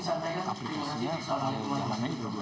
sementara itu bisa saya